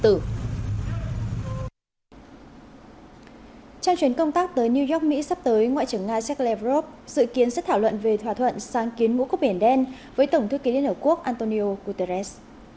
trang truyền công tác tới new york mỹ sắp tới ngoại trưởng nga sergei lavrov dự kiến sẽ thảo luận về thỏa thuận sáng kiến ngũ cốc biển đen với tổng thư ký liên hợp quốc antonio guterres